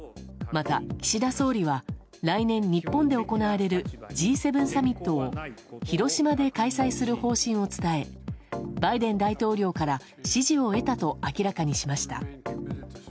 また岸田総理は来年、日本で行われるＧ７サミットを広島で開催する方針を伝えバイデン大統領から支持を得たと明らかにしました。